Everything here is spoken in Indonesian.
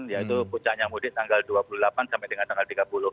yaitu puncaknya mudik tanggal dua puluh delapan sampai dengan tanggal tiga puluh